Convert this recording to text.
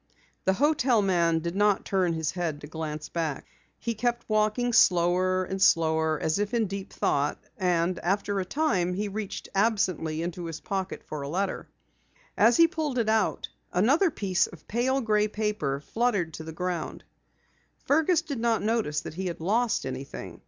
The hotel man did not turn his head to glance back. He kept walking slower and slower as if in deep thought, and after a time he reached absently into his pocket for a letter. As he pulled it out, another piece of pale gray paper fluttered to the ground. Fergus did not notice that he had lost anything.